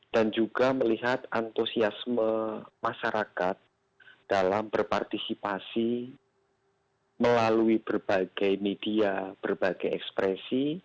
dan juga melihat antusiasme masyarakat dalam berpartisipasi melalui berbagai media berbagai ekspresi